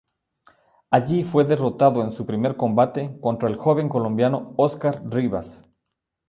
Allí fue derrotado en su primer combate contra el joven colombiano Óscar Rivas.